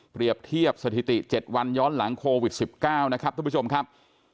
เทียบสถิติ๗วันย้อนหลังโควิด๑๙นะครับท่านผู้ชมครับ